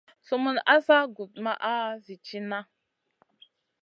Sumun asa gudmaha zi tiyna.